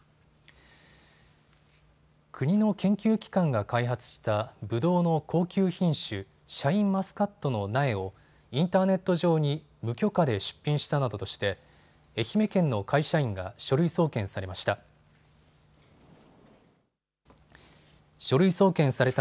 国の研究機関が開発したぶどうの高級品種、シャインマスカットの苗をインターネット上に無許可で出品したなどとして愛媛県の会社員が書類送検されました。